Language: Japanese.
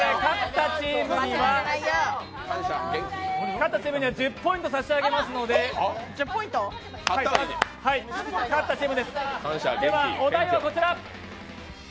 勝ったチームに１０ポイント差し上げますので、お題はこちら。